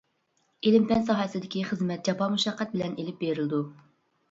ئىلىم-پەن ساھەسىدىكى خىزمەت جاپا-مۇشەققەت بىلەن ئېلىپ بېرىلىدۇ.